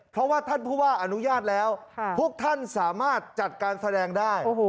เพราะว่าท่านผู้ว่าอนุญาตแล้วพวกท่านสามารถจัดการแสดงได้